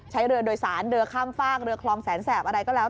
ใช้เรือโดยสารเรือข้ามฟากเรือคลองแสนแสบอะไรก็แล้ว